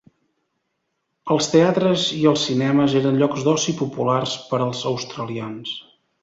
Els teatres i els cinemes eren llocs d'oci populars per als australians.